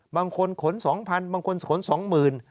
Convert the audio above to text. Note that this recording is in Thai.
บางคนขน๒๐๐บางคนขน๒๐๐๐บาท